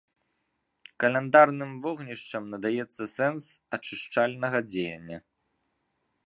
Каляндарным вогнішчам надаецца сэнс ачышчальнага дзеяння.